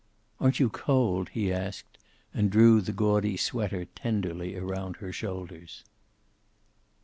"Aren't you cold?" he asked, and drew the gaudy sweater tenderly around her shoulders.